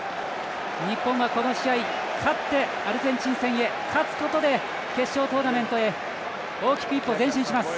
日本はこの試合、勝ってアルゼンチン戦へ、勝つことで決勝トーナメントへ大きく１歩、前進します。